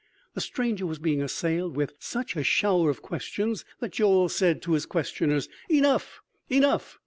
The stranger was being assailed with such a shower of questions that Joel said to the questioners: "Enough; enough....